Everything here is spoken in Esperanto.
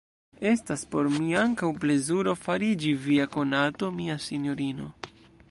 Estas por mi ankaŭ plezuro fariĝi via konato, mia sinjorino!